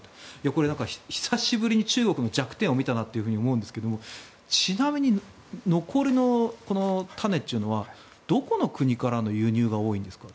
これ、久しぶりに中国の弱点を見たなと思うんですがちなみに残りの種というのはどこの国からの輸入が多いんですか？